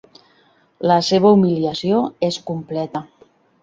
La seva humiliació és completa.